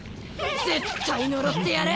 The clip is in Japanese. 絶対呪ってやる！